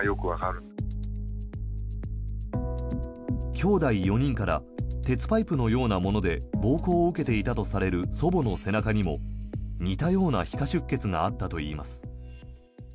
きょうだい４人から鉄パイプのようなもので暴行を受けていたとされる祖母の背中にも似たような皮下出血があったといいます。